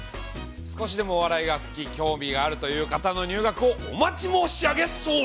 ◆少しでもお笑いが好き、興味があるという方の入学をお待ち申し上げ候。